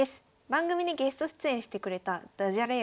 番組にゲスト出演してくれたダジャレ